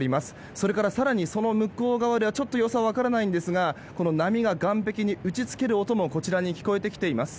それから、更にその向こう側ではちょっと様子は分かりませんが波が岸壁に打ち付ける音もこちらに聞こえてきています。